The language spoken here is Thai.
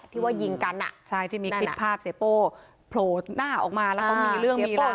ที่ว่ายิงกันอ่ะใช่ที่มีคลิปภาพเสียโป้โผล่หน้าออกมาแล้วเขามีเรื่องมีราว